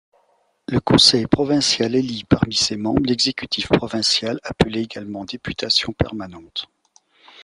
Le conseil provincial élit parmi ses membres l'exécutif provincial appelé également députation permanente.